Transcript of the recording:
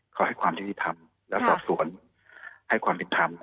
เขาให้ความชื่อสิทธิธรรมและสอบสวนให้ความชื่อสิทธิธรรม